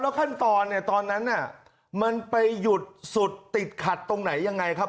ละครามตอนทั้งนั้นมันไปยุดสุดติดขัดตรงไหนยังงะครับ